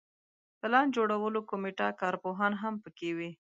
پلان جوړولو کمیټه کارپوهان هم په کې وي.